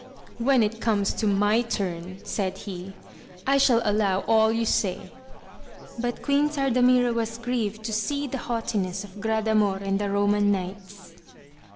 When it "comes to my turn, said he, I shall allow all you say. But Queen Sardamira was grieved to see the haughtiness of Gradamor and the Roman Knights.